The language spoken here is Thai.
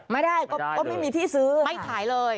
ไม่ได้ก็ไม่มีที่ซื้อไม่ขายเลย